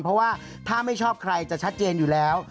เพราะว่าถ้าไม่ชอบใครจะชัดเจนอยู่แล้ว